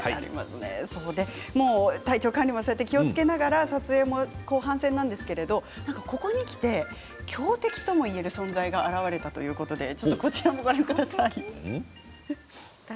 体調管理も気をつけながら撮影も後半戦なんですけれどここにきて強敵ともいえる存在が現れたということですね。